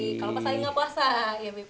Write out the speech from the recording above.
kalau pasangnya nggak puasa ya bip